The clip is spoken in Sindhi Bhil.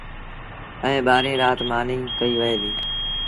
ائيٚݩ ٻآهريٚݩ رآت مآݩيٚ ڪئيٚ وهي ديٚ